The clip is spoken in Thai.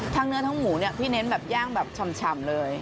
เนื้อทั้งหมูเนี่ยพี่เน้นแบบย่างแบบฉ่ำเลย